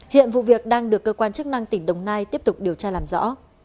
hiện vụ việc đang được cơ quan chức năng tỉnh đồng nai tiếp tục điều tra làm rõ